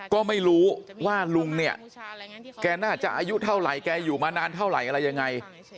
ก็ไม่รู้ว่าลุงเนี่ยแกน่าจะอายุเท่าไหร่แกอยู่มานานเท่าไหร่อะไรยังไง